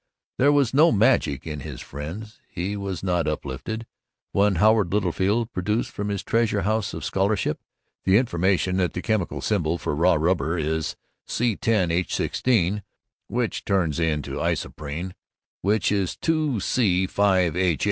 There was no magic in his friends; he was not uplifted when Howard Littlefield produced from his treasure house of scholarship the information that the chemical symbol for raw rubber is C₁₀H₁₆, which turns into isoprene, or 2C₅H₈.